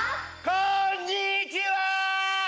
こんにちは！